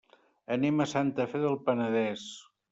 Anem a Santa Fe del Penedès.